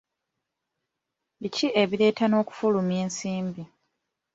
Biki ebireeta n'okufulumya ensimbi?